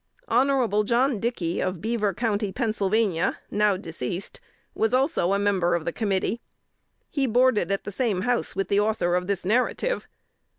Hon. John Dickey, of Beaver County, Pennsylvania, now deceased, was also a member of the committee. He boarded at the same house with the author of this narrative.